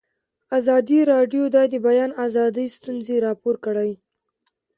ازادي راډیو د د بیان آزادي ستونزې راپور کړي.